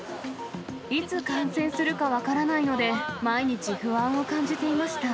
いつ感染するか分からないので、毎日不安を感じていました。